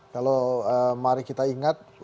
kalau mari kita ingat